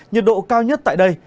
nhiệt độ cao nhất tại đây